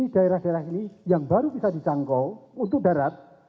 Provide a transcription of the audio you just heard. daerah daerah ini yang baru bisa dicangkau untuk darat